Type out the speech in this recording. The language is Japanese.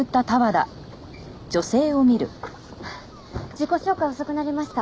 自己紹介遅くなりました。